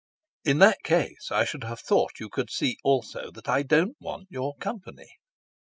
"In that case I should have thought you could see also that I don't want your company."